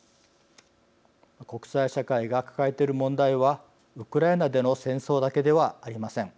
国際社会が抱えている問題はウクライナでの戦争だけではありません。